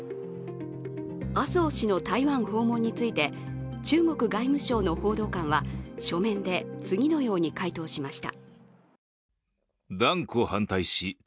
麻生氏の台湾訪問について中国外務省の報道官は書面で次のように回答しました。